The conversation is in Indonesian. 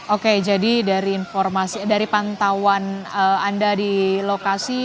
oke jadi dari pantauan anda di lokasi